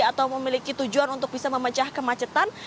atau memiliki tujuan untuk bisa memecah kemacetan